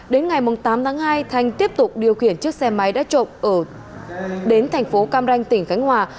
đến ngày tám tháng hai thanh tiếp tục điều khiển chiếc xe máy đã trộm đến thành phố cam ranh tỉnh khánh hòa